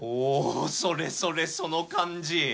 おおそれそれその感じ！